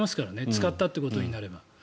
使ったということになれば。